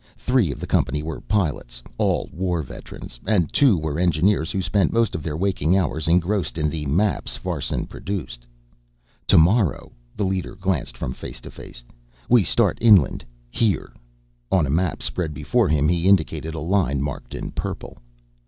Three of the company were pilots, all war veterans, and two were engineers who spent most of their waking hours engrossed in the maps Farson produced. "Tomorrow," the leader glanced from face to face, "we start inland. Here " On a map spread before him he indicated a line marked in purple.